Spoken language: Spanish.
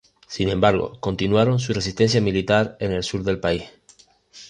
Sin embargo, continuaron su resistencia militar en el sur del país.